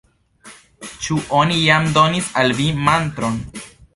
Ĉu oni jam donis al vi mantron?